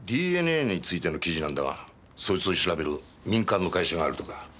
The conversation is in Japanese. ＤＮＡについての記事なんだがそいつを調べる民間の会社があるとか。